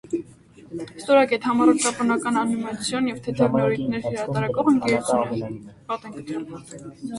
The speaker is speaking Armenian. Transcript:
, համառոտ ճապոնական անիմացիոն և թեթև նորույթներ հրատարակող ընկերություն է։